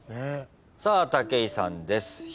さあ武井さんです。